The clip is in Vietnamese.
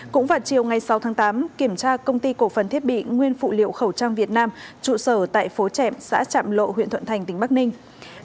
cũng vào chiều ngày sáu tháng tám kiểm tra công ty cổ phần thiết bị nguyên phụ liệu khẩu trang việt nam trụ sở tại phố trệm xã trạm lộ huyện thuận thành tỉnh bắc ninh